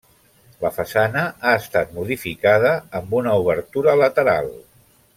La façana ha estat modificada amb una obertura lateral.